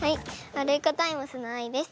ワルイコタイムスのあいです。